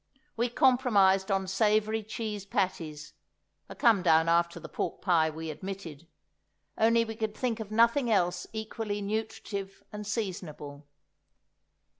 We compromised on savoury cheese patties—a come down after the pork pie, we admitted; only we could think of nothing else equally nutritive and seasonable.